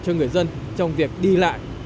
cho người dân trong việc đi lại